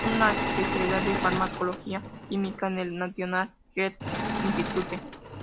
Tiene una especialidad en Farmacología Química en el National Health Institute.